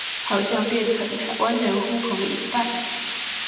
好像變成台灣人呼朋引伴